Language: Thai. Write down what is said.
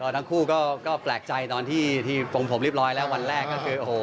ทั้งคู่ก็แปลกใจตอนที่ปงผมเรียบร้อยแล้ววันแรกก็คือโอ้โห